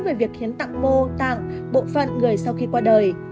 về việc hiến tạng mô tạng bộ phận người sau khi qua đời